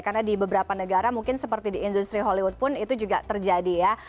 karena di beberapa negara mungkin seperti di industri hollywood pun itu juga terjadi ya